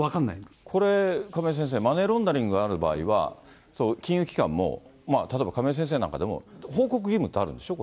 これ、亀井先生、マネーロンダリングがある場合は、金融機関も例えば、亀井先生なんかでも、報告義務ってあるんでしょ？